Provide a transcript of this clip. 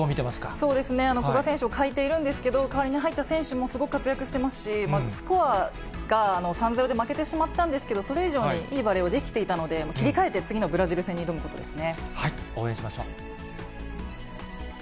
そうですね、古賀選手を欠いているんですけれども、代わりに入った選手も活躍してますし、スコアが３ー０で負けてしまったんですけど、それ以上にいいバレーをできていたので、切り替えて次のブラジル戦に挑むことですね。